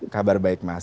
kabar baik mas